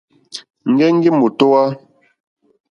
Ŋgεŋgi mòtohwa.